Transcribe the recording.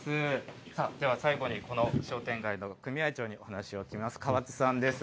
さあでは、最後にこの商店街の組合長にお話を聞きます。